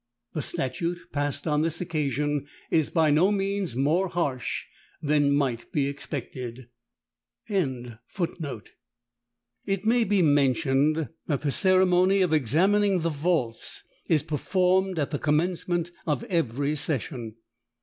The statute passed on this occasion is by no means more harsh than might be expected."—Const. Hist. i. 554 5.] It may be mentioned, that the ceremony of examining the vaults is performed at the commencement of every session.